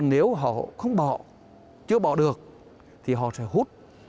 nếu họ không bỏ chưa bỏ được thì họ sẽ hút